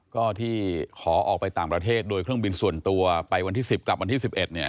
ก็ที่ขอออกไปต่างประเทศโดยเครื่องบินส่วนตัวไปวันที่๑๐กลับวันที่๑๑เนี่ย